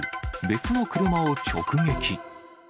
別の車を直撃。